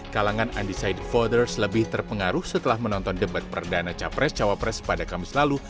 kalangan undecided voters lebih terpengaruh setelah menonton debat perdana capres cawapres pada kamis lalu